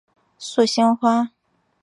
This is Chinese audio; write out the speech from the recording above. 素兴花